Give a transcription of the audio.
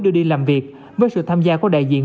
đưa đi làm việc với sự tham gia của đại diện